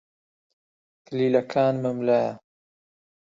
کلیلەکانمم لایە.